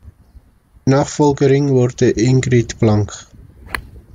Nachfolgerin wurde Ingrid Blank.